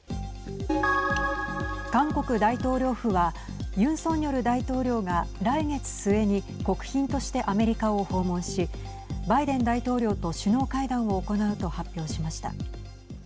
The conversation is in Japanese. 韓国大統領府はユン・ソンニョル大統領が来月末に国賓としてアメリカを訪問しバイデン大統領と首脳会談を行うと発表しました。